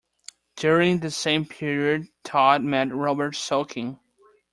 During the same period, Todd met Robert Sonkin.